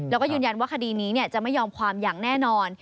แล้วก็ยืนยันว่าคดีนี้จะไม่ยอมความอย่างแน่นอน